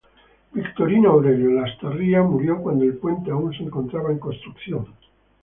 Victorino Aurelio Lastarria murió cuando el puente aún se encontraba en construcción.